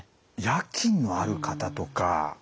夜勤のある方とか。